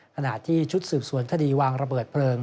ขณะที่ชุดสืบสวนคดีวางระเบิดเพลิง